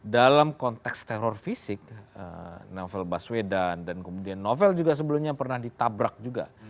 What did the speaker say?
dalam konteks teror fisik novel baswedan dan kemudian novel juga sebelumnya pernah ditabrak juga